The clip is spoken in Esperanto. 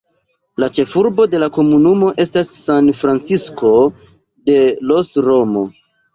La ĉefurbo de la komunumo estas San Francisco de los Romo.